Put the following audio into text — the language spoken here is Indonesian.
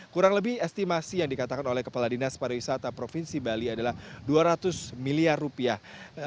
kurang lebih estimasi yang dikatakan oleh kepala dinas pariwisata provinsi bali adalah dua ratus miliar rupiah